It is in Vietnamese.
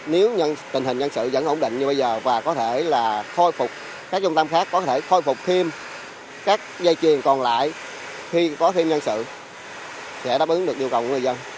nếu tình hình nhân sự vẫn ổn định như bây giờ và có thể là khôi phục các trung tâm khác có thể khôi phục thêm các dây chuyền còn lại khi có thêm nhân sự sẽ đáp ứng được yêu cầu của người dân